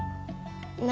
何？